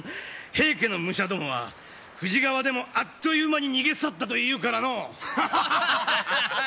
平家の武者どもは富士川でもあっという間に逃げ去ったというからのう。